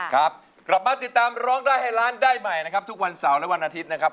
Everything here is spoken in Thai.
กลับมาติดตามร้องได้ให้ล้านได้ใหม่นะครับทุกวันเสาร์และวันอาทิตย์นะครับ